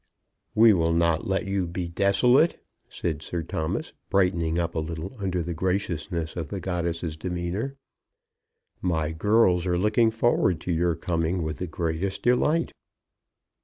"We will not let you be desolate," said Sir Thomas, brightening up a little under the graciousness of the goddess's demeanour. "My girls are looking forward to your coming with the greatest delight."